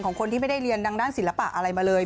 คนที่ไม่ได้เรียนดังด้านศิลปะอะไรมาเลย